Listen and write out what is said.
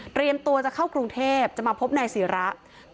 เตรียมตัวจะเข้ากรุงเทพฯจะมาพบนายศิรา